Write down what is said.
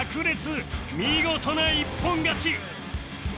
見事な一本勝ち！